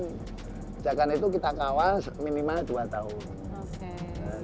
kebijakan itu kita kawal minimal dua tahun